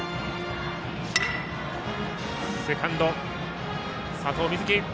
セカンド、佐藤瑞祇